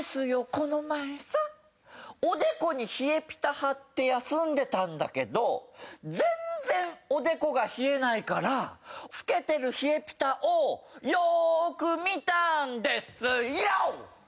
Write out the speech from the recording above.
この前さおでこに冷えピタ貼って休んでたんだけど全然おでこが冷えないからつけてる冷えピタをよーく見たんですｙｏ！